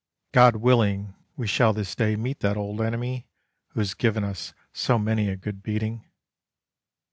God willing, we shall this day meet that old enemy Who has given us so many a good beating.